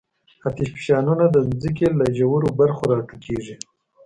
آتشفشانونه د ځمکې له ژورو برخو راټوکېږي.